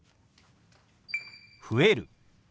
「増える」。